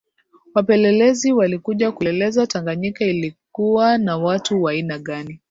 wapelelezi walikuja kuipeleleza Tanganyika ilikuwa na watu wa aina gani